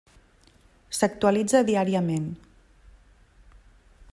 S'actualitza diàriament.